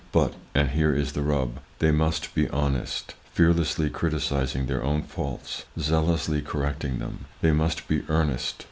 But—and here is the rub—they must be honest, fearlessly criticising their own faults, zealously correcting them; they must be earnest.